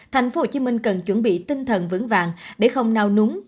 thành phố hồ chí minh cần chuẩn bị tinh thần vững vàng để không nào núng